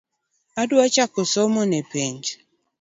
Adwa chako somo ne penj